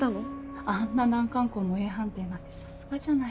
あんな難関校もＡ判定なんてさすがじゃない。